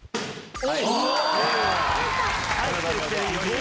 お！